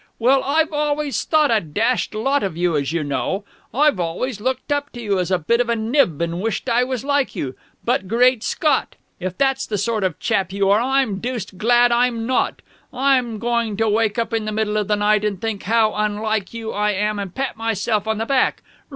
Well, I've always thought a dashed lot of you, as you know. I've always looked up to you as a bit of a nib and wished I was like you. But, great Scott! if that's the sort of a chap you are, I'm deuced glad I'm not! I'm going to wake up in the middle of the night and think how unlike you I am and pat myself on the back!